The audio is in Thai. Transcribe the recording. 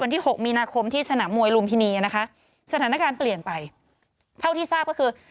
ที่หกมีนาคมที่สนามมวยลุมพินีนะคะสถานการณ์เปลี่ยนไปเท่าที่ทราบก็คือ